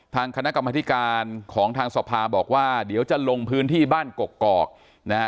ทางคณะกรรมธิการของทางสภาบอกว่าเดี๋ยวจะลงพื้นที่บ้านกกอกนะฮะ